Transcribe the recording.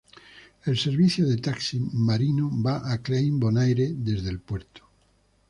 El servicio de taxi marino va a Klein Bonaire desde el puerto.